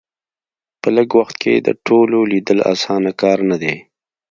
په لږ وخت کې د ټولو لیدل اسانه کار نه دی.